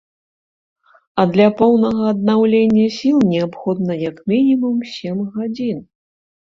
А для поўнага аднаўлення сіл неабходна як мінімум сем гадзін.